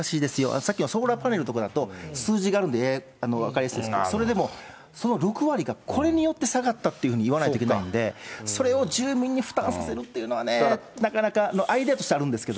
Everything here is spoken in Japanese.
さっきのソーラーパネルとかだと、数字があるんで、分かりやすいんですがそれでもその６割がこれによって下がったっていうふうにいわないといけないんで、それを住民に負担させるというのはね、なかなか、アイデアとしてはあるんですけど。